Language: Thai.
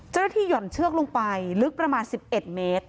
หย่อนเชือกลงไปลึกประมาณ๑๑เมตร